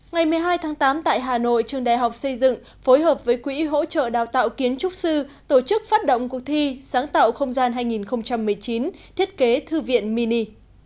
ngày một mươi hai tháng tám tại hà nội trường đại học xây dựng phối hợp với quỹ hỗ trợ đào tạo kiến trúc sư tổ chức phát động cuộc thi sáng tạo không gian hai nghìn một mươi chín thiết kế thư viện mini